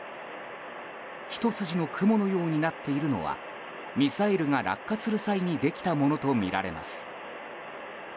ひと筋の雲のようになっているのはミサイルが落下する際にできたものとみられます。